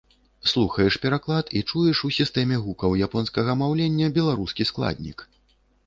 Слухаеш пераклад і чуеш у сістэме гукаў японскага маўлення беларускі складнік.